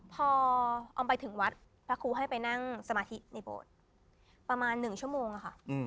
พอออมไปถึงวัดพระครูให้ไปนั่งสมาธิในโบสถ์ประมาณ๑ชั่วโมงค่ะ